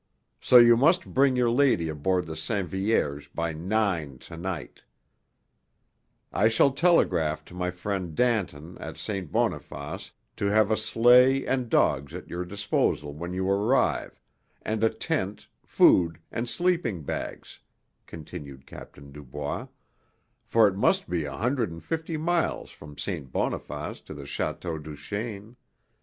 So you must bring your lady aboard the Sainte Vierge by nine to night. "I shall telegraph to my friend Danton at St. Boniface to have a sleigh and dogs at your disposal when you arrive, and a tent, food, and sleeping bags," continued Captain Dubois, "for it must be a hundred and fifty miles from St. Boniface to the Château Duchaine.